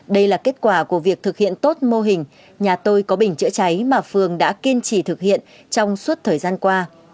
đây là kết quả của việc thực hiện tốt mô hình nhà tôi có bình chữa cháy mà phường đã kiên trì thực hiện trong suốt thời gian qua